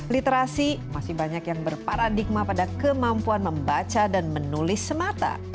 literasi masih banyak yang berparadigma pada kemampuan membaca dan menulis semata